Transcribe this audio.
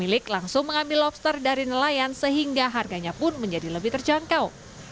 pemilik langsung mengambil lobster dari nelayan sehingga harganya pun menjadi lebih terjangkau